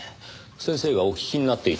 先生がお聴きになっていたのでしょうか？